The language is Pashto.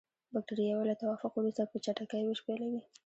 بکټریاوې له توافق وروسته په چټکۍ ویش پیلوي.